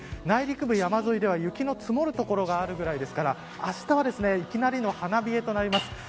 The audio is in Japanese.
内陸部山沿いでは雪の積もる所があるくらいなのであしたはいきなりの花冷えとなります。